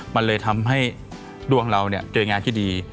มันเลยทำให้ดวงเราเจองานที่ดี